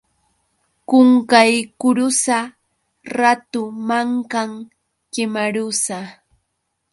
Qunqaykurusa ratu mankan kimarusa.